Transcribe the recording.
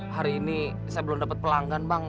hari ini saya belum dapat pelanggan bang